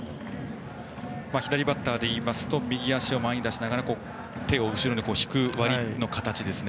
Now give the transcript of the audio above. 左バッターでいいますと右足を前に出しながら手を後ろに引く割りの形ですね。